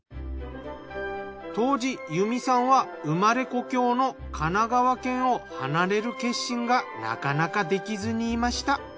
当時由美さんは生まれ故郷の神奈川県を離れる決心がなかなかできずにいました。